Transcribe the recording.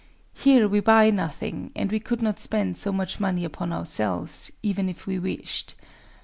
Here we buy nothing; and we could not spend so much money upon ourselves, even if we wished...